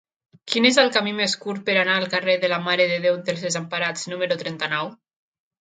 Quin és el camí més curt per anar al carrer de la Mare de Déu dels Desemparats número trenta-nou?